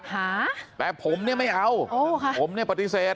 หาแต่ผมเนี่ยไม่เอาโอ้ค่ะผมเนี่ยปฏิเสธ